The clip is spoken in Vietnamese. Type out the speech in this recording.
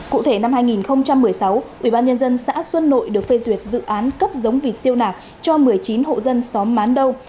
cụ thể năm hai nghìn một mươi sáu ủy ban nhân dân xã xuân nội được phê duyệt dự án cấp giống vịt siêu nạc cho một mươi chín hộ dân xóm mán đâu